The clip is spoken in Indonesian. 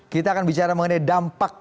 kita akan bicara mengenai dampak